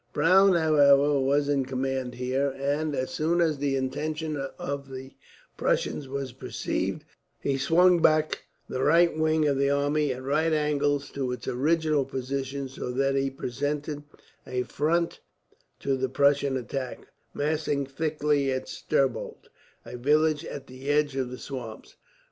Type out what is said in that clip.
Browne, however, was in command here and, as soon as the intention of the Prussians was perceived, he swung back the right wing of the army at right angles to its original position, so that he presented a front to the Prussian attack; massing thickly at Sterbold, a village at the edge of the swamps.